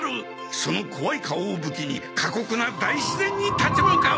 その怖い顔を武器に過酷な大自然に立ち向かう。